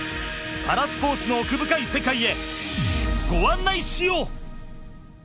パラスポーツの奥深い世界へご案内しよう。